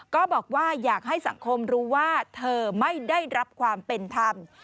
ก็บอกว่าอยากให้สังคมรู้ว่าเธอไม่ได้รับความเป็นธรรม